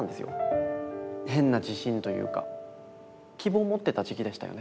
変な自信というか希望を持ってた時期でしたよね